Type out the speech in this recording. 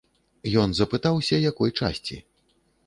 Ён запытаўся, якой часці.